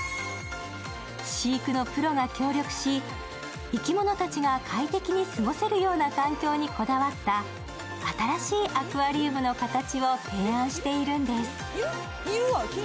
飼育のプロが協力し生き物たちが快適に過ごせるような環境にこだわった新しいアクアリウムの形を提案してるんです。